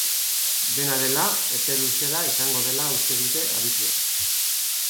Dena dela, epe luzera izango dela uste dute adituek.